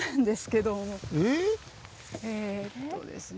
えとですね